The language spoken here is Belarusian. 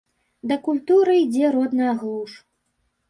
Да культуры ідзе родная глуш.